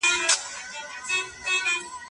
هغوی له کومې ویرې پرته ودریدل.